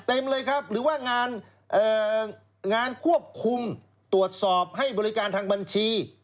เต็มเลยครับหรือว่างานควบคุมตรวจสอบให้บริการทางบัญชี